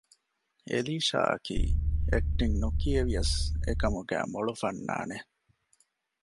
އެލީޝާ އަކީ އެކްޓިން ނުކިޔެވިޔަސް އެކަމުގައިވެސް މޮޅު ފަންނާނެއް